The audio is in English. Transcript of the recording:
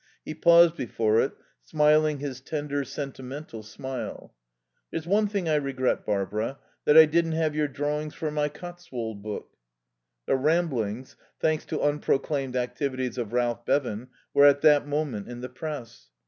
He paused before it, smiling his tender, sentimental smile. "There's one thing I regret, Barbara that I didn't have your drawings for my Cotswold book." The Ramblings, thanks to unproclaimed activities of Ralph Bevan, were at that moment in the press.